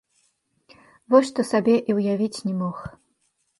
Вось што сабе і ўявіць не мог.